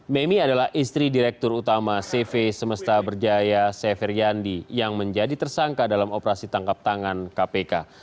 memi adalah istri direktur utama cv semesta berjaya sefer yandi yang menjadi tersangka dalam operasi tangkap tangan kpk